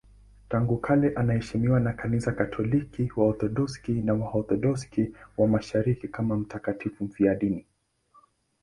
Tangu kale anaheshimiwa na Kanisa Katoliki, Waorthodoksi na Waorthodoksi wa Mashariki kama mtakatifu mfiadini.